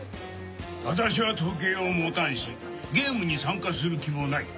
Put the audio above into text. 私は時計を持たんしゲームに参加する気もない。